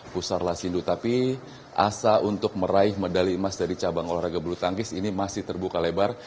pusar lasindo tapi asa untuk meraih medali emas dari cabang olahraga bulu tangkis ini masih terbuka lebar